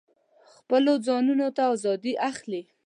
خپلو ځانونو ته آزادي اخلي.